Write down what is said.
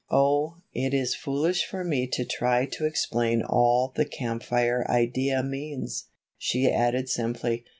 "Oh, it is foolish for me to try to explain all the Camp Fire idea means," she added simply.